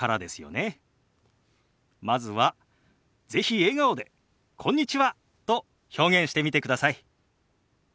まずは是非笑顔で「こんにちは」と表現してみてください。